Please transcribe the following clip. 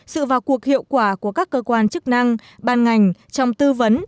sự vào cuộc hiệu quả của các cơ quan chức năng ban ngành trong tư vấn